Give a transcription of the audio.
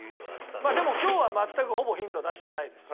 まあでも今日は全くほぼヒント出してないですよ。